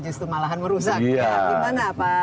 justru malahan merusak gimana pak